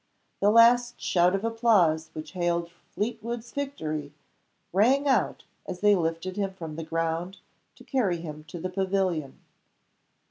The last shout of applause which hailed Fleetwood's victory rang out as they lifted him from the ground to carry him to the pavilion.